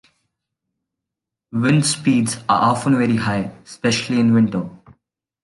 Wind speeds are often very high, especially in winter.